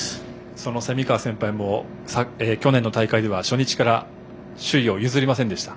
その蝉川先輩も去年の大会では初日から首位を譲りませんでした。